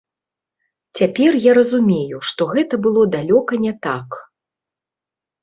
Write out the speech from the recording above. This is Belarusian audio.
Цяпер я разумею, што гэта было далёка не так.